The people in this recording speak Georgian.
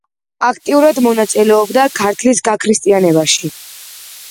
აქტიურად მონაწილეობდა ქართლის გაქრისტიანებაში.